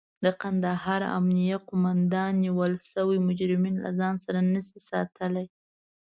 د کندهار امنيه قوماندان نيول شوي مجرمين له ځان سره نشي ساتلای.